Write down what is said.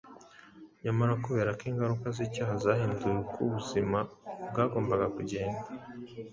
Nyamara kubera ko ingaruka z’icyaha zahinduye uko ubuzima bwagombaga kugenda,